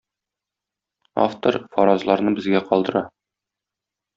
Автор фаразларны безгә калдыра.